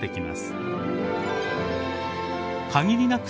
限りなく